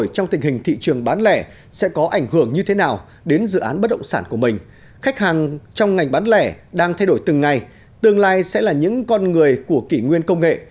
trong ngành bán lẻ đang thay đổi từng ngày tương lai sẽ là những con người của kỷ nguyên công nghệ